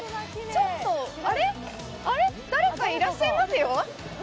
ちょっと、あれっ、誰かいらっしゃいますよ。